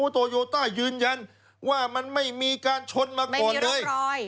โตโยต้ายืนยันว่ามันไม่มีการชนมาก่อนเลย